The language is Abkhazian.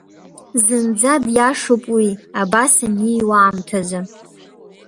Зынӡа диашоуп уи абас аниҩуа аамҭазы…